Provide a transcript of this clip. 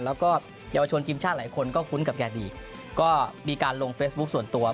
แล้วก็เยาวชนทีมชาติหลายคนก็คุ้นกับแกดีก็มีการลงเฟซบุ๊คส่วนตัว